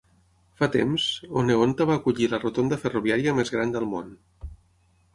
Fa temps, Oneonta va acollir la rotonda ferroviària més gran del món.